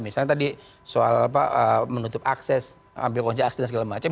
misalnya tadi soal menutup akses ambil konjak aksi dan segala macam